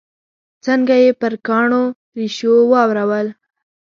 څنګه یې پر کاڼو ریشو واورول.